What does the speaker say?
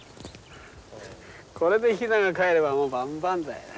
これでヒナがかえればもう万々歳だ。